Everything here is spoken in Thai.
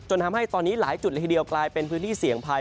ทำให้ตอนนี้หลายจุดละทีเดียวกลายเป็นพื้นที่เสี่ยงภัย